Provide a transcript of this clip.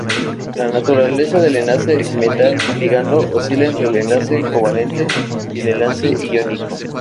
La naturaleza del enlace metal-ligando oscila entre el enlace covalente y el enlace iónico.